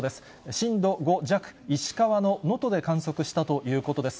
震度５弱、石川の能登で観測したということです。